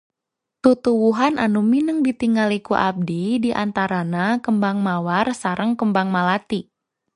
Tutuwuhan anu mineng ditingali ku abdi di antara na kembang mawar sareng kembang malati